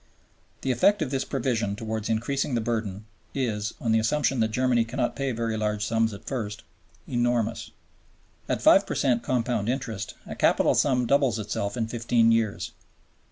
The effect of this provision towards increasing the burden is, on the assumption that Germany cannot pay very large sums at first, enormous. At 5 per cent compound interest a capital sum doubles itself in fifteen years.